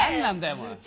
もう。